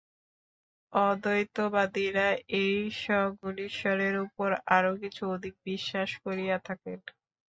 অদ্বৈতবাদীরা এই সগুণ ঈশ্বরের উপর আরও কিছু অধিক বিশ্বাস করিয়া থাকেন।